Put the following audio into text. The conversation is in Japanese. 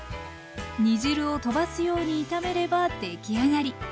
煮汁をとばすように炒めれば出来上がり。